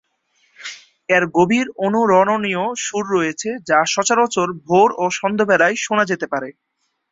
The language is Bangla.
এর গভীর অনুরণনীয় সুর রয়েছে যা সচরাচর ভোর ও সন্ধ্যাবেলায় শোনা যেতে পারে।